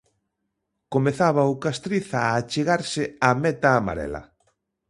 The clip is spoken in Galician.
Comezaba o Castriz a achegarse á meta amarela.